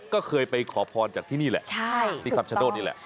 ก็เคยไปขอพรจากที่นี่แหละที่คำชโนธนี่แหละ